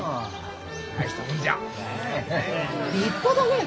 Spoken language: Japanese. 立派だねえ！